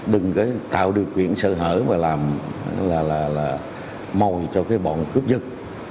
đừng có tạo điều kiện sợ hở mà làm mòi cho bọn cướp dực